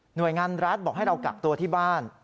โดยงานรัฐบอกให้เรากักตัวที่บ้าน